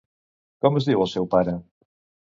Com es diu el seu pare?